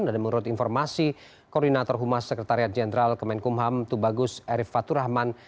dan menurut informasi koordinator humas sekretariat jenderal kemenkumham tubagus erief faturahman